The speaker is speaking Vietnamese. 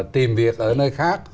tìm việc ở nơi khác